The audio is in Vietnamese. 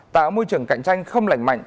tạo môi trường cạnh tranh không lành mạnh